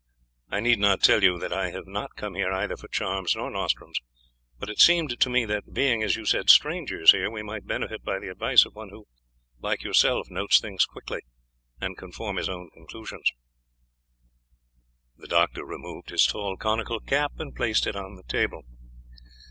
I need not tell you that I have not come here either for charms or nostrums, but it seemed to me that being, as you said, strangers here, we might benefit by the advice of one who like yourself notes things quickly, and can form his own conclusions." The doctor removed his tall conical cap, and placed it on the table.